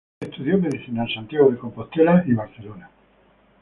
Estudió Medicina en Santiago de Compostela y Barcelona.